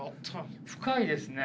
深いですね。